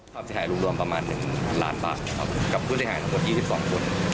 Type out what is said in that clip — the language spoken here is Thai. ความเสียหายรวมประมาณ๑ล้านบาทครับกับผู้เสียหายทั้งหมด๒๒คน